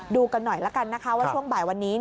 ดูกันหน่อยละกันนะคะว่าช่วงบ่ายวันนี้